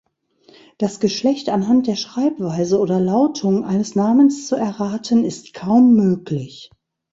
Das Geschlecht anhand der Schreibweise oder Lautung eines Namens zu erraten, ist kaum möglich.